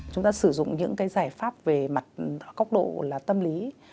chúng ta sử dụng những cái giải pháp về mặt góc độ là tâm lý